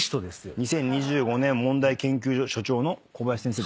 ２０２５年問題研究所所長の小林先生ですよね？